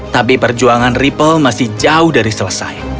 tapi perjuangan ripple masih jauh dari selesai